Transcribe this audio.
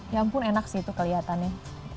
ya ampun enak sih itu kelihatannya